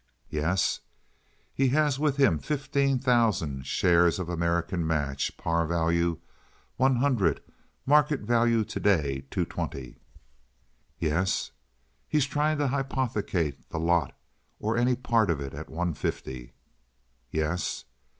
"Yes." "He has with him fifteen thousand shares of American Match—par value one hundred, market value to day two twenty." "Yes." "He is trying to hypothecate the lot or any part of it at one fifty." "Yes."